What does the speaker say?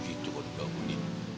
salam gitu kawan kawan